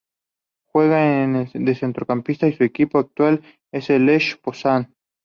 Juega de centrocampista y su equipo actual es el Lech Poznań.